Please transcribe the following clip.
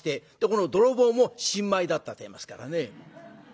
泥棒も新米だったっていいますからね。